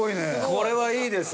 これはいいですね。